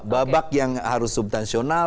babak yang harus subtansional